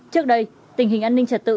trước đây tình hình an ninh trật tự